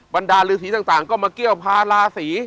บรรดาฤษีต่างก็มาเกี้ยวพาราศี